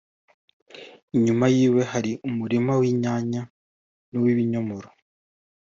Inyuma y’iwe hari umurima w’inyanya n’uwibinyomoro